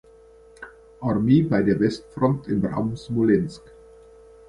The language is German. Armee bei der Westfront im Raum Smolensk.